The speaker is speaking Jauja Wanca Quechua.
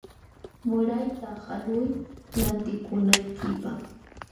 Murayta haluy lantikunaykipaq.